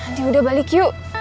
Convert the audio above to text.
ini udah balik yuk